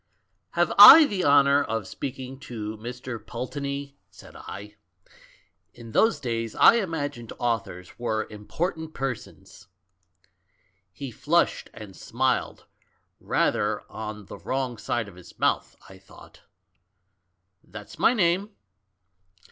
" 'Have I the honour of speaking to Mr. Pul teney?' said I. In those days I imagined authors were important persons. "He flushed, and smiled — rather on the wrong side of his mouth, I thought. 'That's my name.'